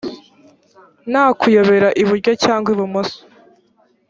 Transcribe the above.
nta kuyobera iburyo cyangwa ibumoso.